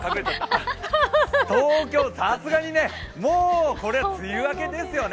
さすがにね、東京、もうこれ梅雨明けですよね。